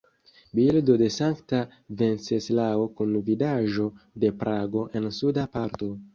Bildo de Sankta Venceslao kun vidaĵo de Prago en suba parto.